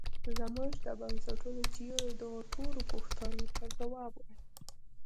زموږ د بنسټونو تیوري دغو ټولو پوښتونو ته ځواب وايي.